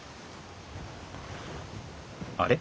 あれ？